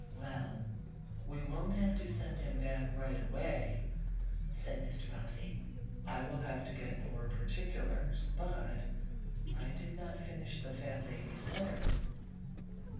"Well, we won't have to send him back right away," said Mr. Bobbsey. "I will have to get more particulars. But I did not finish the fat lady's letter."